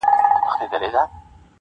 وار په وار پورته كېدله آوازونه -